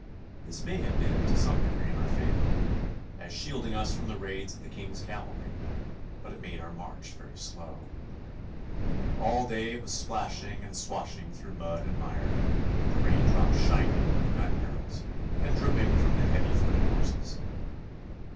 This may have been to some degree in our favour, as shielding us from the raids of the King's cavalry, but it made our march very slow. All day it was splashing and swashing through mud and mire, the rain drops shining on the gun barrels and dripping from the heavy footed horses.